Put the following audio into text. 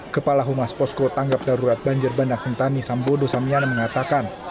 kepala humas posko tanggap darurat banjar bandar sentani sambodo samyana mengatakan